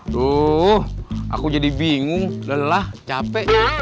tuh aku jadi bingung lelah capek